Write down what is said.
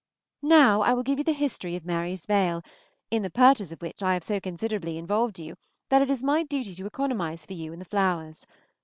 Now I will give you the history of Mary's veil, in the purchase of which I have so considerably involved you that it is my duty to economize for you in the flowers.